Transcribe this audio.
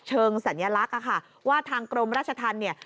สัญลักษณ์อะค่ะว่าทางกรมราชธรรมเนี่ย